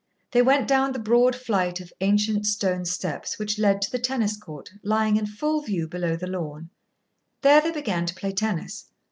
They went down the broad flight of ancient stone steps which led to the tennis court, lying in full view below the lawn. There they began to play tennis.